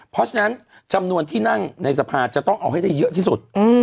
เพราะฉะนั้นจำนวนที่นั่งในสภาจะต้องเอาให้ได้เยอะที่สุด